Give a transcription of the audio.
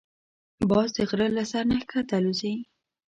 باز د غره له سر نه ښکته الوزي